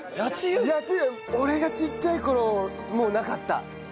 俺がちっちゃい頃もうなかった。